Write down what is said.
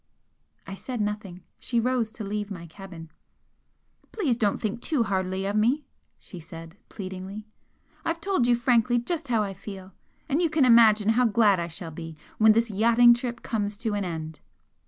I said nothing. She rose to leave my cabin. "Please don't think too hardly of me!" she said, pleadingly, "I've told you frankly just how I feel, and you can imagine how glad I shall be when this yachting trip comes to an end."